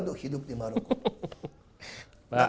untuk hidup di maroko